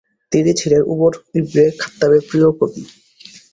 তিনি ছিলেন উমর ইবনে খাত্তাবের প্রিয় কবি।